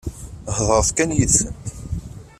Heḍṛet kan yid-sent.